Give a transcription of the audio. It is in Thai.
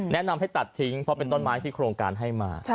แนะนำให้ตัดทิ้งเพราะเป็นต้นไม้ที่โครงการให้มา